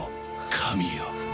神よ。